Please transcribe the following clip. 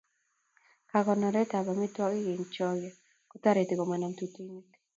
Kakonoret ab amitwogik eng' choge ko toreti komanam tutuinik